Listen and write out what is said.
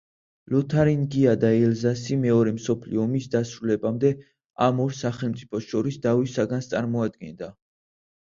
ლოთარინგია და ელზასი მეორე მსოფლიო ომის დასრულებამდე ამ ორ სახელმწიფოს შორის დავის საგანს წარმოადგენდა.